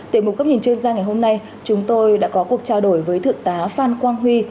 từ một cấp nhìn chuyên gia ngày hôm nay chúng tôi đã có cuộc trao đổi với thượng tá phan quang huy